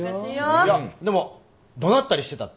いやでも怒鳴ったりしてたって。